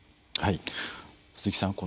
鈴木さん